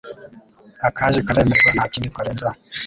Akaje karemerwa ntakindi twarenzaho.